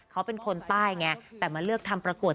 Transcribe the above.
เขาเป็นคนใต้ไงแต่มาเลือกทำประกวด